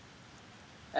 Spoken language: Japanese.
「え？」。